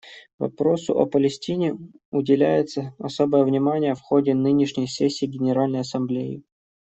Вопросу о Палестине уделяется особое внимание в ходе нынешней сессии Генеральной Ассамблеи.